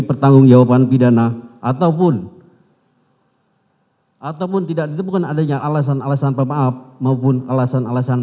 pertanggung jawaban pidana ataupun tidak ditemukan adanya alasan alasan pemaaf maupun alasan alasan